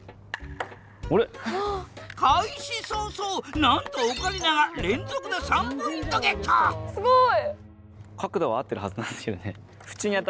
開始早々なんとオカリナが連続で３ポイントゲットすごい！